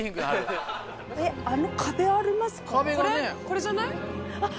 これじゃない？あっ！